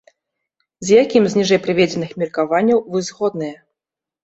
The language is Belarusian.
З якім з ніжэй прыведзеных меркаванняў вы згодныя?